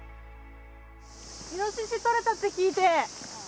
イノシシとれたって聞いて。